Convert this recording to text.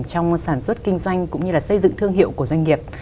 trong sản xuất kinh doanh cũng như là xây dựng thương hiệu của doanh nghiệp